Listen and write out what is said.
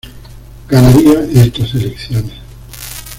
Ganaría estas elecciones